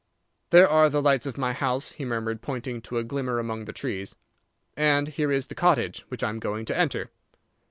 "There are the lights of my house," he murmured, pointing to a glimmer among the trees. "And here is the cottage which I am going to enter."